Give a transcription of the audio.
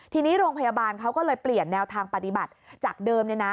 ทีนี้โรงพยาบาลเขาก็เลยเปลี่ยนแนวทางปฏิบัติจากเดิม